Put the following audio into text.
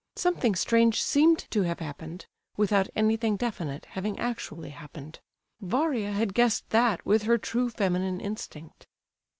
Something strange seemed to have happened, without anything definite having actually happened. Varia had guessed that with her true feminine instinct.